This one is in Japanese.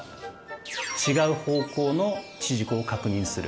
違う方向の地軸を確認する